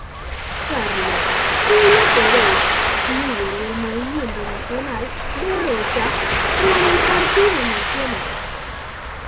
Carlos Julio Pereyra, líder del Movimiento Nacional de Rocha, por el Partido Nacional.